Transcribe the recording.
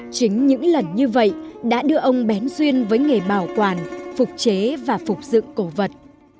chính những lần như vậy đã đưa ông bén duyên với nghề bảo quản phục chế và phục dựng cổ vật